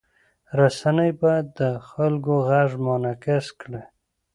رسنۍ باید د خلکو غږ منعکس کړي.